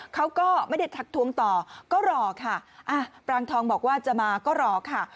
เขาก็ไม่ได้ทักทวงต่อก็รอค่ะอ่ะปรางทองบอกว่าจะมาก็รอค่ะ